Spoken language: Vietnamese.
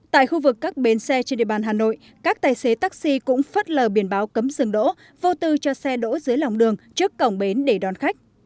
tại khu vực các bến xe trên địa bàn hà nội các tài xế taxi cũng phất lờ biển báo cấm dừng đỗ vô tư cho xe đỗ dưới lòng đường trước cổng bến để đón khách